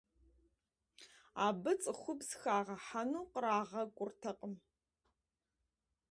Абы цӏыхубз хагъэхьэну кърагъэкӏуртэкъым.